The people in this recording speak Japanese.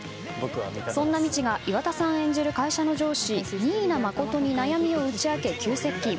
そんなみちが岩田さん演じる会社の上司新名誠に悩みを打ち明け急接近。